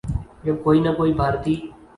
جب کوئی نہ کوئی بھارتی